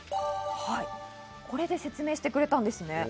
これで説明してくれたんです。